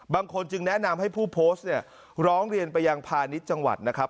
บางคนจึงแนะนำให้ผู้โพสต์เนี่ยร้องเรียนไปยังพาณิชย์จังหวัดนะครับ